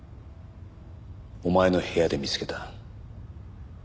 お前の部屋で見つけた。